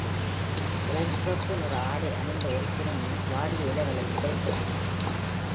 இளஞ்சிவப்பு நிற ஆடை அணிந்த ஒரு சிறுமி வாடிய இலைகளை உதைக்கிறாள்.